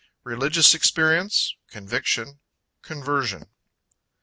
Religious Experience Conviction Conversion.